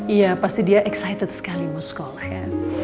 iya pasti dia excited sekali mau sekolah ya